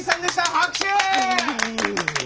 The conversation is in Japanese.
拍手！